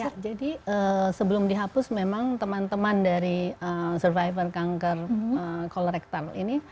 ya jadi sebelum dihapus memang teman teman dari survivor kanker kolektoral ini